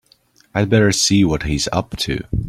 I'd better see what he's up to.